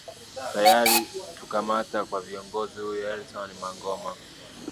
tayari kukamata kwa kiongozi huyo elton mangoma